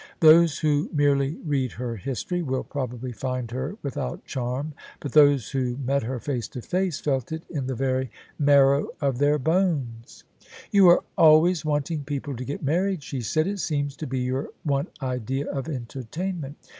Those who merely read her history will probably find her without charm : but those who met her face to face felt it in the very marrow of their bones. THE SUBJECTION "You are always wanting people to get married," she said :" it seems to be your one idea of entertainment."